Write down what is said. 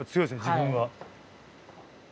自分は。